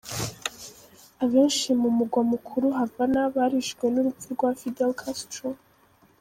Abenshi mu mugwa mukuru Havana barijijwe n'urupfu rwa Fidel Castro.